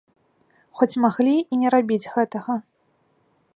Хоць маглі і не рабіць гэтага.